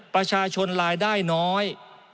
ประชาชนรายได้น้อย